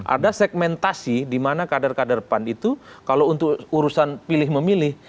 ada segmentasi di mana kader kader pan itu kalau untuk urusan pilih memilih